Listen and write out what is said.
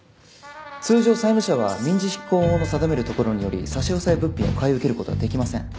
通常債務者は民事執行法の定めるところにより差し押さえ物品を買い受ける事はできません。